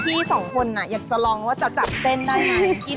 พี่สองคนอยากจะลองว่าจะจับเส้นได้ไหม